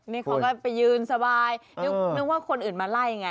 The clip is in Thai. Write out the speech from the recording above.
นี่เขาก็ไปยืนสบายนึกว่าคนอื่นมาไล่ไง